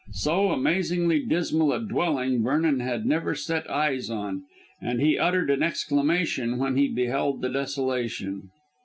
So amazingly dismal a dwelling Vernon had never set eyes on, and he uttered an exclamation when he beheld the desolation.